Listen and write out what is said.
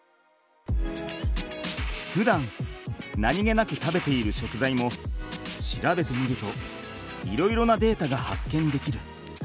ふだん何気なく食べている食材も調べてみるといろいろなデータが発見できる。